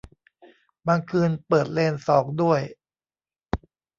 บางคืนเปิดเลนสองด้วย